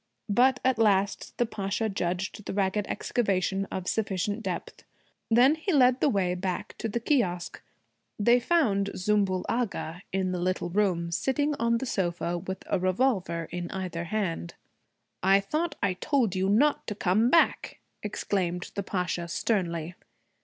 But at last the Pasha judged the ragged excavation of sufficient depth. Then he led the way back to the kiosque. They found Zümbül Agha in the little room, sitting on the sofa with a revolver in either hand. 'I thought I told you not to come back!' exclaimed the Pasha sternly.